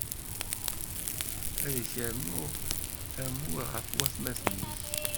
Ad k-rnuɣ amur ɣef watmaten-ik.